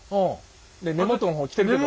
根元の方来てるけど。